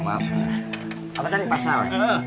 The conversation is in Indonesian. apa tadi pasal